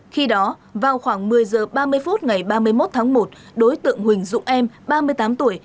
khi đó vào khoảng một mươi h ba mươi phút ngày ba mươi một tháng một đối tượng huỳnh dũng em ba mươi tám tuổi